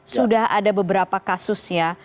sudah ada beberapa kasusnya